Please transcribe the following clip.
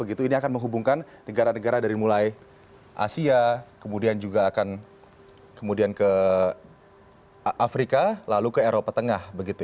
ini akan menghubungkan negara negara dari mulai asia kemudian juga akan kemudian ke afrika lalu ke eropa tengah